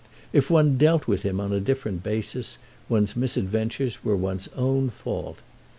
If one dealt with him on a different basis one's misadventures were one's own fault.